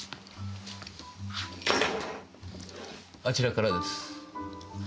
あちらからです。